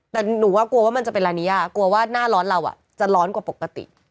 แต่หนูว่ากลัวว่ามันจะเป็นร้านนี้กลัวว่าหน้าร้อนเราจะร้อนกว่าปกติ